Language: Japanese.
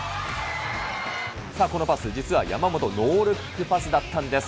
さあ、このパス、実は、山本、ノールックパスだったんです。